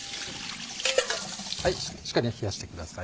しっかり冷やしてください